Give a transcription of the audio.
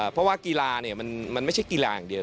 เพราะว่ากีฬามันไม่ใช่กีฬาอย่างเดียว